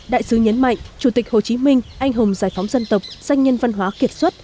đại sứ nhấn mạnh chủ tịch hồ chí minh anh hùng giải phóng dân tộc danh nhân văn hóa kiệt xuất